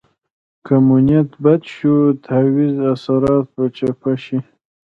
که مو نیت بد شو د تعویض اثرات به چپه شي.